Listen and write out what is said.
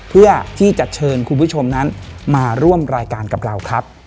เพื่อที่จะเชิญคุณผู้ชมนั้นมาร่วมรายการกับเราครับ